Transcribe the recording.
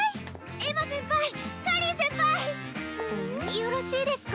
よろしいですか？